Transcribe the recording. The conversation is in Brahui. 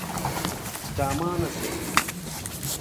دامان اسے